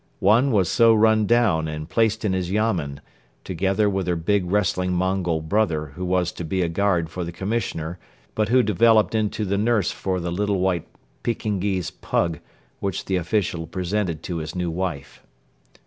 One was so run down and placed in his yamen, together with her big wrestling Mongol brother who was to be a guard for the Commissioner but who developed into the nurse for the little white Pekingese pug which the official presented to his new wife.